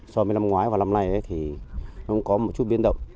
so với năm ngoái và năm nay thì nó cũng có một chút biến động